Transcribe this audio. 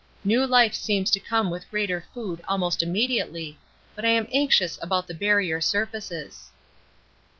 New life seems to come with greater food almost immediately, but I am anxious about the Barrier surfaces.